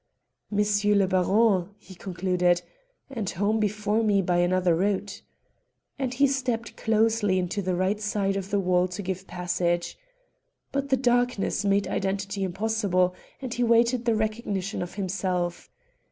"M. le Baron," he concluded, "and home before me by another route," and he stepped closely into the right side of the wall to give passage. But the darkness made identity impossible, and he waited the recognition of himself.